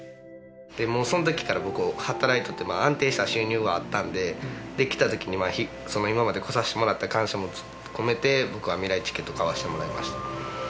もうその時から僕働いとって安定した収入があったので来た時に今まで来させてもらった感謝も込めて僕はみらいチケット買わせてもらいました。